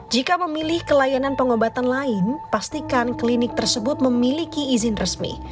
jika memilih ke layanan pengobatan lain pastikan klinik tersebut memiliki izin resmi